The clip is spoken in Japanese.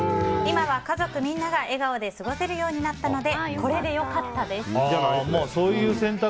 今は家族みんなが笑顔で過ごせるようになったのでこれで良かったです。